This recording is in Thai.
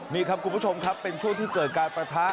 นี่ครับคุณผู้ชมครับเป็นช่วงที่เกิดการประทะ